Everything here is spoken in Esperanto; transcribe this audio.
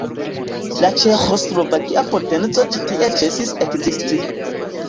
La ĉeĥoslovaka potenco ĉi tie ĉesis ekzisti.